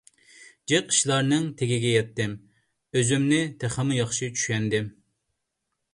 جىق ئىشلارنىڭ تېگىگە يەتتىم، ئۆزۈمنى تېخىمۇ ياخشى چۈشەندىم.